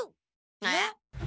えっ？